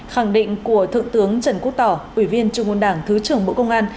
khẳng định của thượng tướng trần quốc tỏ ủy viên trung ương đảng thứ trưởng bộ công an